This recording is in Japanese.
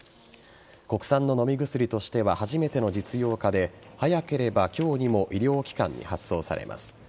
国産の飲み薬としては初めての実用化で早ければ今日にも医療機関に発送されます。